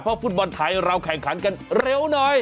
ฟุตบอลไทยเราแข่งขันกันเร็วหน่อย